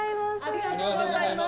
ありがとうございます。